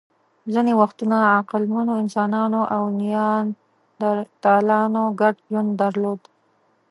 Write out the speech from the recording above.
ځینې وختونه عقلمنو انسانانو او نیاندرتالانو ګډ ژوند درلود.